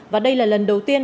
và đây là lần đầu tiên